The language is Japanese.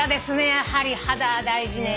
やはり肌は大事ね。